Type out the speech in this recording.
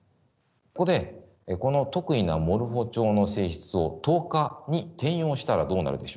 ここでこの特異なモルフォチョウの性質を透過に転用したらどうなるでしょう。